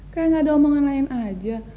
kayak gak ada omongan lain aja